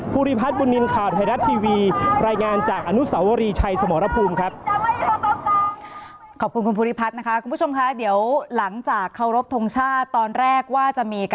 ภูริพัฒน์บุญนินท์ข่าวไทยรัฐทีวี